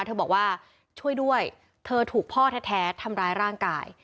เธอบอกว่าช่วยด้วยเธอถูกพ่อแท้ทำร้ายร่างกาย